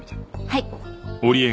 はい。